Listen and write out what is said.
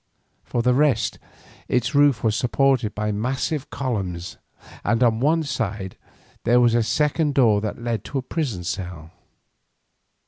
For the rest its roof was supported by massive columns, and on one side there was a second door that led to a prison cell.